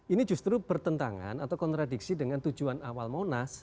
ini justru bertentangan atau kontradiksi dengan tujuan awal monas